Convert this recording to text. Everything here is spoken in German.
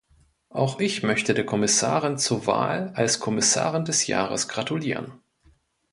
Auch ich möchte der Kommissarin zur Wahl als Kommissarin des Jahres gratulieren.